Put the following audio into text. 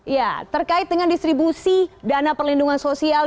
ya terkait dengan distribusi dana perlindungan sosial